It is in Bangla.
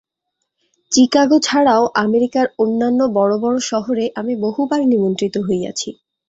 চিকাগো ছাড়াও আমেরিকার অন্যান্য বড় বড় শহরে আমি বহুবার নিমন্ত্রিত হইয়াছি।